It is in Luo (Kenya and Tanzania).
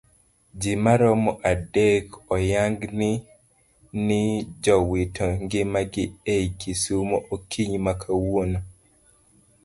Jii maromo adek oyangi ni jowito ngimagi ei kisumu okinyi makawuono